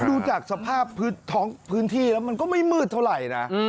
ดูจากสภาพผืนที่มันก็ไม่มืดเท่าไหร่นะ